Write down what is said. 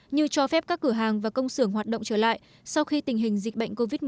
như cho phép các cửa hàng và công sưởng hoạt động trở lại sau khi tình hình dịch bệnh covid một mươi chín